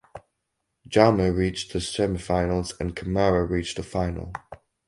Jammeh reached the semifinals and Camara reached the final.